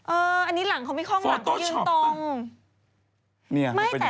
เอออะอะนี้หลังเขามีคล่องหลังก็ยืนตรง